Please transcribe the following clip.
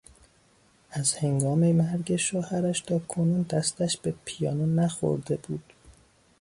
از هنگام مرگ شوهرش تا کنون دستش به پیانو نخورده بود.